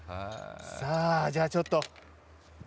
さあ、じゃあちょっと。